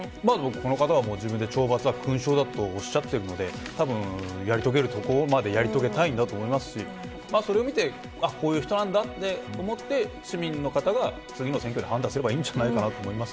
この方は自分で懲罰はくんしょうだと言っているんでたぶん、やり遂げるところまでやり遂げたいんだと思いますしそれを見てこういう人なんだと思って市民の方が次の選挙で判断すればいいんじゃないかなと思います。